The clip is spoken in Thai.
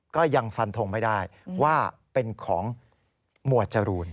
ก็ยังฟันทงไม่ได้ว่าเป็นของหมวดจรูน